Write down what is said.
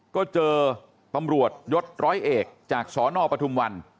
ก็เจอตำรวจยศร้อยเอกจากสนปทุมวัน